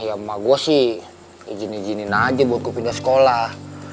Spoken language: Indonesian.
ya emak gue sih izin izinin aja buat aku pindah sekolah